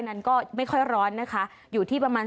ฮัลโหลฮัลโหลฮัลโหล